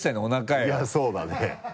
いやそうだね。